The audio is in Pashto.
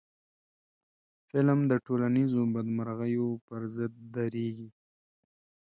فلم د ټولنیزو بدمرغیو پر ضد درېږي